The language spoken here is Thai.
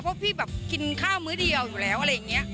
เพราะพี่แบบกินข้าวมื้อเดียวอยู่แล้วอะไรอย่างนี้